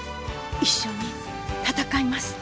一緒に戦います。